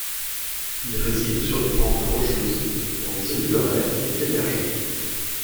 Il réside sur des pentes rocheuses, dans des oliveraies et des vergers.